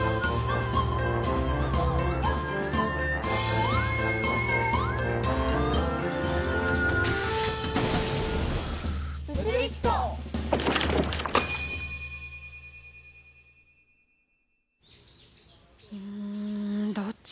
うんどっちかな？